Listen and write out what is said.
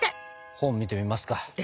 本見てみますか。